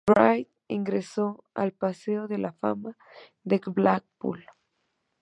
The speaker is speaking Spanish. Wright ingresó al Paseo de la Fama del Blackpool.